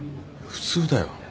普通だよ。